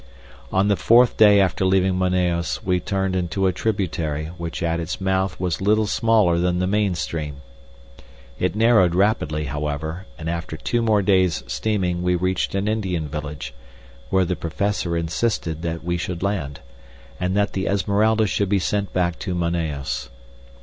On the fourth day after leaving Manaos we turned into a tributary which at its mouth was little smaller than the main stream. It narrowed rapidly, however, and after two more days' steaming we reached an Indian village, where the Professor insisted that we should land, and that the Esmeralda should be sent back to Manaos.